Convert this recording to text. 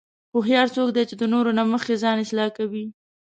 هوښیار څوک دی چې د نورو نه مخکې ځان اصلاح کوي.